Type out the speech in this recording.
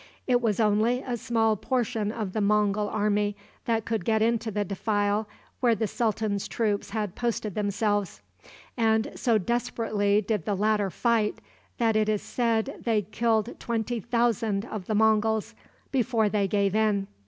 It was only a small portion of the Mongul army that could get into the defile where the sultan's troops had posted themselves; and so desperately did the latter fight, that it is said they killed twenty thousand of the Monguls before they gave in.